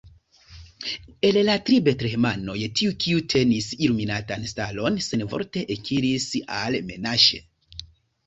El la tri betlehemanoj tiu, kiu tenis la iluminitan stalon, senvorte ekiris al Menaŝe.